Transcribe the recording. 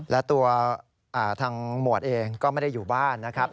และตัวทางหมวดเองก็ไม่ได้อยู่บ้านนะครับ